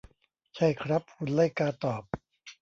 ใช่ครับ หุ่นไล่กาตอบ